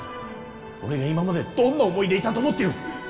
俺が今までどんな思いでいたと思ってる！